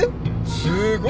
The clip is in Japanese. すーごい。